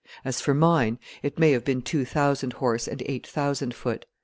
As for mine, it may have been two thousand horse and eight thousand foot.